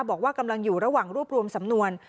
บอกว่ากำลังอยู่ระหว่างรวบรวมสำนวน